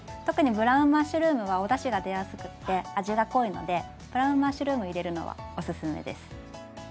特にブラウンマッシュルームはおだしが出やすくって味が濃いのでブラウンマッシュルーム入れるのはおすすめです。